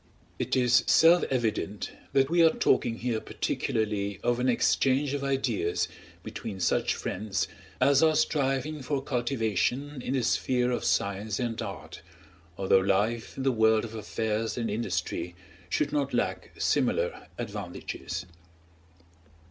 It is self evident that we are talking here particularly of an exchange of ideas between such friends as are striving for cultivation in the sphere of science and art; although life in the world of affairs and industry should not lack similar advantages.